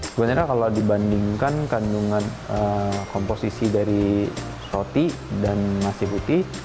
sebenarnya kalau dibandingkan kandungan komposisi dari roti dan nasi putih